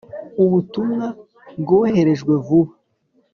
Ubutumwa bwoherejwe vuba.